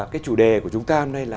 cái chủ đề của chúng ta hôm nay là